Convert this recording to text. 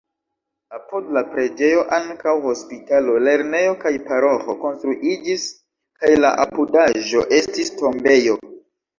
Apud la preĝejo ankaŭ hospitalo, lernejo kaj paroĥo konstruiĝis kaj la apudaĵo estis tombejo.